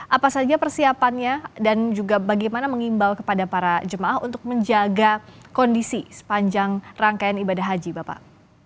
apa saja persiapannya dan juga bagaimana mengimbau kepada para jemaah untuk menjaga kondisi sepanjang rangkaian ibadah haji bapak